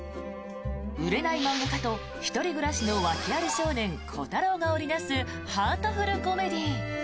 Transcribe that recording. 売れない漫画家と１人暮らしの訳あり少年コタローが織りなすハートフルコメディー。